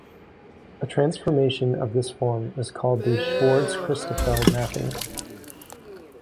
A transformation of this form is called a "Schwarz-Christoffel mapping".